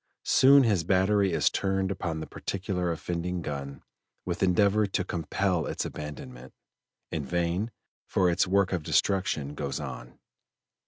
Soon his battery is turned upon the particular offending gun with endeavor to compel its abandonment; in vain, for its work of destruction goes on.